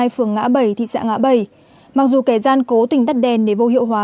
phường ngã bảy thị xã ngã bảy mặc dù kẻ gian cố tình tắt đèn để vô hiệu hóa